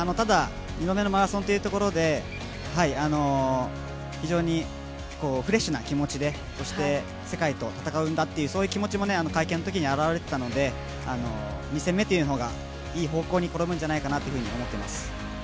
２度目のマラソンというところで非常にフレッシュな気持ちで、世界と戦うんだという気持ちも会見のときに表れていたので２戦目ということがいい方向にいくんじゃないかと思ってます。